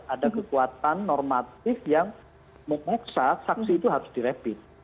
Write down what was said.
ada kekuatan normatif yang memaksa saksi itu harus direpit